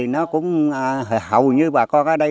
nó cũng hầu như bà con ở đây